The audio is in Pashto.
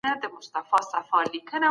څه شی د ژوند د خوندیتوب کچه لوړوي؟